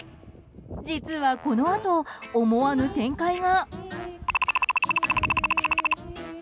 実はこのあと、思わぬ展開が。